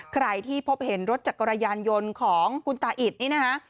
ใครที่พบเห็นรถจักรยานยนต์ของคุณตาอิดนี่นะคะ